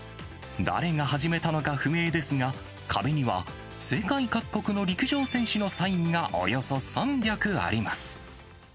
誰が始めたのか不明ですが、壁には世界各国の陸上選手のサインがおよそ３００あります。